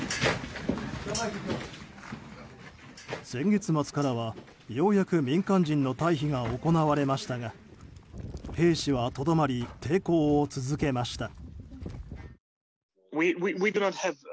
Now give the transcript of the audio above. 先月末からは、ようやく民間人の退避が行われましたが兵士はとどまり抵抗をつづけました。